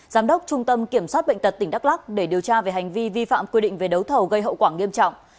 giám đốc trung tâm kiểm soát bệnh tật tỉnh đắk lắc để điều tra về hành vi vi phạm quy định về đấu thầu gây hậu quả nghiêm trọng